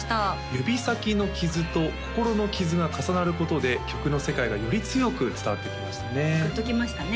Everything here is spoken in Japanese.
指先の傷と心の傷が重なることで曲の世界がより強く伝わってきましたねグッときましたね